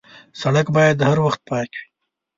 سړک باید هر وخت پاک وي.